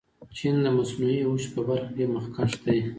چین د مصنوعي هوش په برخه کې مخکښ دی.